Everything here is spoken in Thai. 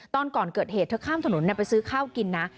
ตอนก่อนเกิดเหตุเธอข้ามถนนไปซื้อข้าวกินนะ